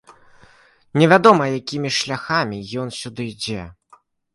Невядома, якімі шляхамі ён сюды ідзе.